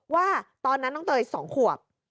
ว่าตอนนั้นน้องเตย๒ขวบ